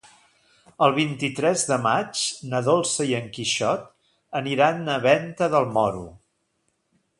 El vint-i-tres de maig na Dolça i en Quixot aniran a Venta del Moro.